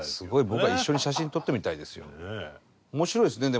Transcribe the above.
僕は一緒に写真撮ってみたいですよ。